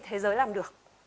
thế giới làm được